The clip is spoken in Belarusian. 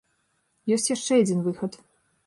Ёсць яшчэ адзін выхад.